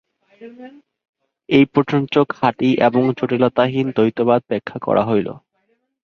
এই পর্যন্ত খাঁটি এবং জটিলতাহীন দ্বৈতবাদ ব্যাখ্যা করা হইল।